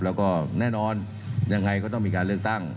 แล้วก็แน่นอนยังไงก็ต้องมีการเลือกตั้ง